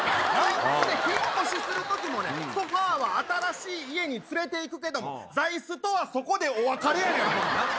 引っ越しするときもね、ソファは新しい家に連れていくけども、座いすとはそこでお別れやねん。な？